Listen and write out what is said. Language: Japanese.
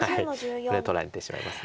これは取られてしまいます。